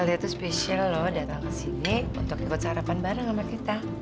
milo alda tuh spesial loh datang ke sini untuk ikut sarapan bareng sama kita